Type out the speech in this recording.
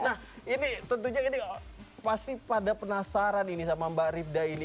nah ini tentunya ini pasti pada penasaran ini sama mbak ripda ini